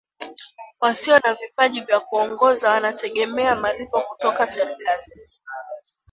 wasio na vipaji vya kuongoza wanategemea malipo kutoka serikali